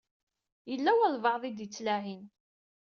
Yella walebɛaḍ i d-ittlaɛin.